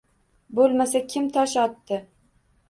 Bo‘lmasa, kim tosh otdi?